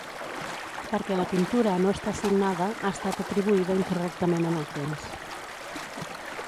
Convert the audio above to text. Perquè la pintura no està signada, ha estat atribuïda incorrectament en el temps.